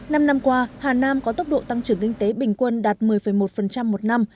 năm năm qua hà nam có tốc độ tăng trưởng kinh tế bình quân đạt một mươi một một năm